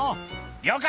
了解！